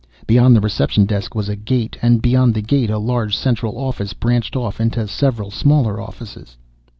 Beyond the reception desk was a gate, and beyond the gate a large central office branched off into several smaller offices.